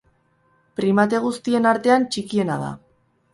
Primate guztien artean txikiena da.